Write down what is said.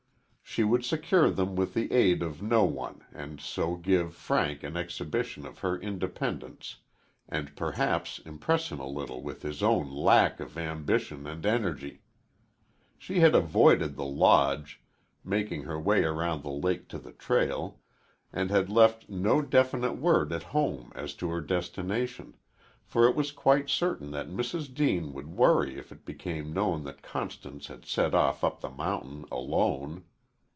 She would secure them with the aid of no one and so give Frank an exhibition of her independence, and perhaps impress him a little with his own lack of ambition and energy. She had avoided the Lodge, making her way around the lake to the trail, and had left no definite word at home as to her destination, for it was quite certain that Mrs. Deane would worry if it became known that Constance had set off up the mountain alone.